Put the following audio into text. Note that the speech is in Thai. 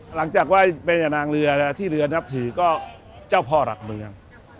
หลังจากไหว้เป็นนางเรือที่เรือนับถือก็เจ้าพ่อหลักเมือง